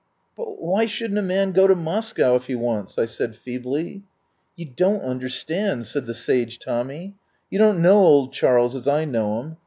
"But why shouldn't a man go to Moscow if he wants?" I said feebly. "You don't understand," said the sage Tom my. "You don't know old Charles as I know him.